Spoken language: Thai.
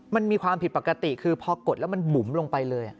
มันมีความผิดปกติคือพอกดแล้วมันบุ๋มลงไปเลย